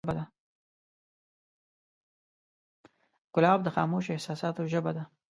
ګلاب د خاموشو احساساتو ژبه ده.